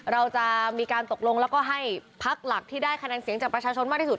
เราจะมีการตกลงแล้วก็ให้พักหลักที่ได้คะแนนเสียงจากประชาชนมากที่สุด